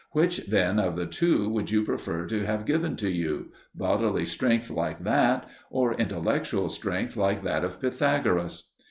Which then of the two would you prefer to have given to you bodily strength like that, or intellectual strength like that of Pythagoras?